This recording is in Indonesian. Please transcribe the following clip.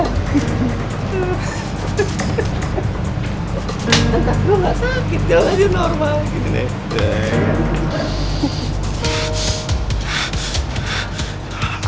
nggak sakit jalan aja normal